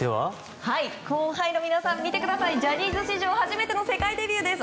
後輩の皆さん見てくださいジャニーズ史上初めての世界デビューです。